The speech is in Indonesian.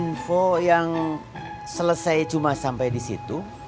kau yang selesai cuma sampai disitu